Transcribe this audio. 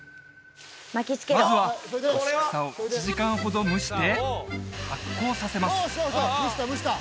まずは干し草を１時間ほど蒸して発酵させます